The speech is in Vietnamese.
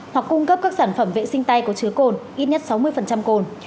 hoặc cung cấp các sản phẩm vệ sinh tay có chứa cồn ít nhất sáu mươi cồn